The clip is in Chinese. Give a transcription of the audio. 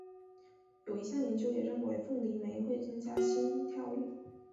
有一项研究也认为凤梨酶会增加心跳率。